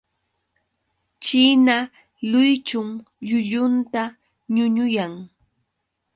China luychun llullunta ñuñuyan.